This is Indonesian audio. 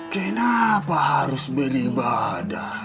kenapa harus beribadah